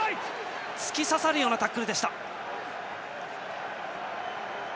突き刺さるようなタックルを見せました。